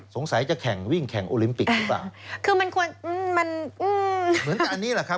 สงสัยจะแข่งวิ่งแข่งโอลิมปิกหรือเปล่า